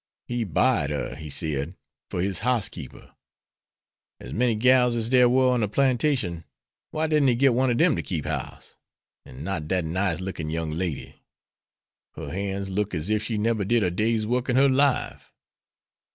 He buyed her, he said, for his housekeeper; as many gals as dere war on de plantation, why didn't he git one ob dem to keep house, an' not dat nice lookin' young lady? Her han's look ez ef she neber did a day's work in her life.